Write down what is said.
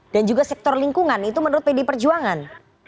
dan juga sektor lingkungan itu menurut pdi perjuangan